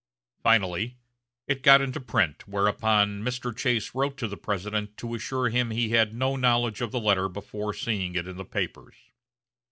Finally, it got into print, whereupon Mr. Chase wrote to the President to assure him he had no knowledge of the letter before seeing it in the papers.